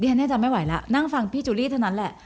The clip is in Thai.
ดิฉันเนี่ยจะไม่ไหวละนั่งฟังพี่จูลลี่เท่านั้นแหละ